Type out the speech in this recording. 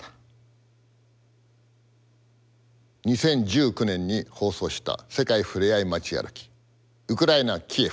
２０１９年に放送した「世界ふれあい街歩き」「ウクライナキエフ」ご覧ください。